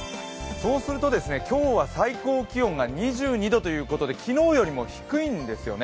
そうすると、今日は最高気温が２２度ということで昨日よりも低いんですよね。